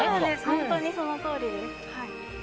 本当にそのとおりです。